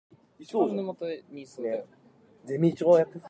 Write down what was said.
He was subsequently selected in the Team of the Tournament.